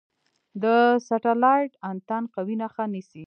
د سټلایټ انتن قوي نښه نیسي.